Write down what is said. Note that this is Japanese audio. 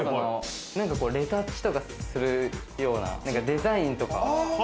レタッチとかするようなデザインとか。